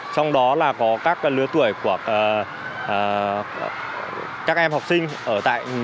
trong đó là có các lứa tuổi của các em học sinh ở tại